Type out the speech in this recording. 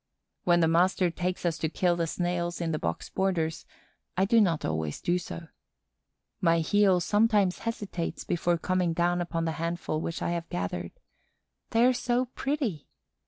When the master takes us to kill the Snails in the box borders, I do not always do so. My heel sometimes hesitates before coming down upon the handful which I have gathered. They are so pretty!